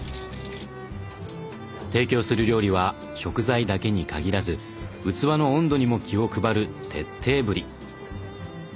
提供する料理は食材だけに限らず器の温度にも気を配る徹底ぶり。